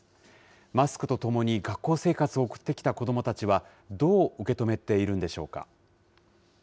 マスクとともに学校生活を送ってきた子どもたちは、どう受け止めているんでしょうか。